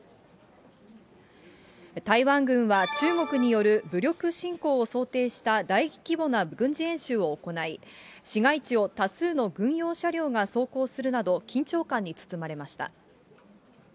台湾軍は中国による武力侵攻を想定した大規模な軍事演習を行い、市街地を多数の軍用車両が走行するなど、緊張感に包まれました。